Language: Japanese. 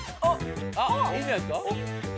あっいいんじゃないですか？